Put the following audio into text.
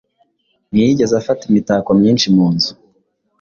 Ntiyigeze afata imitako myinshi mu nzu